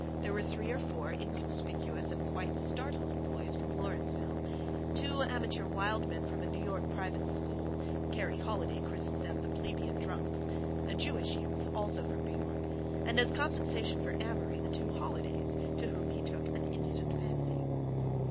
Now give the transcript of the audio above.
There were three or four inconspicuous and quite startled boys from Lawrenceville, two amateur wild men from a New York private school (Kerry Holiday christened them the "plebeian drunks"), a Jewish youth, also from New York, and, as compensation for Amory, the two Holidays, to whom he took an instant fancy.